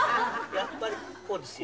やっぱりこうですよ。